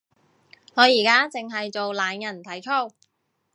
我而家淨係做懶人體操